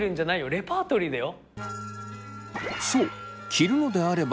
レパートリーだよ。